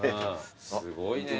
すごいね。